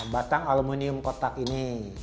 batang aluminium kotak ini